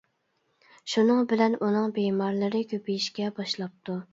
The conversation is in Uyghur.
شۇنىڭ بىلەن ئۇنىڭ بىمارلىرى كۆپىيىشكە باشلاپتۇ.